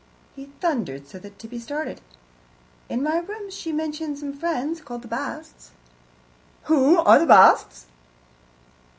he thundered, so that Tibby started. "In my rooms she mentioned some friends, called the Basts " "Who are the Basts?"